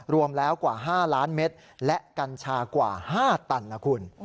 รวมแล้วกว่า๕ล้านเมตรและกัญชากว่า๕ตันนะคุณ